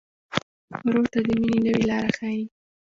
ورور ته د مینې نوې لاره ښيي.